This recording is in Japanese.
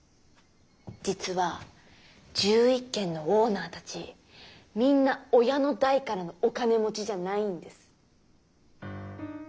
実は１１軒のオーナーたちみんな親の代からのお金持ちじゃないんです。